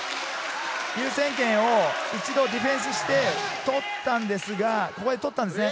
優先権を一度ディフェンスしてとったんですが、ここで取ったんですね。